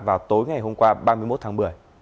vào tối ngày hôm qua ba mươi một tháng một mươi